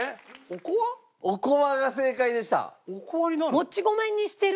おこわが正解でした。